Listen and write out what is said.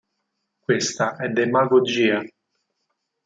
Questa è demagogia".